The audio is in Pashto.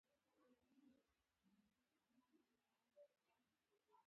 بندي مایع د هغوی تر منځ د اصطحکاک کچه ټیټوي.